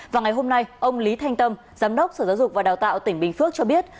và ngày hôm nay ông lý thanh tâm giám đốc sở giáo dục và đào tạo tỉnh bình phước cho biết